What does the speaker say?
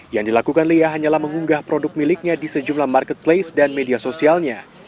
yang dilakukan lia hanyalah mengunggah produk miliknya di sejumlah marketplace dan media sosialnya